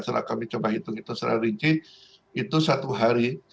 setelah kami coba hitung itu secara rinci itu satu hari